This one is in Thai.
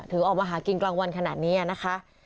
ถึงออกมาหากินกลางวันขนาดนี้นะคะ